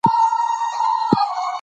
د دوی خدمت به کوې او چرته به نه ځې.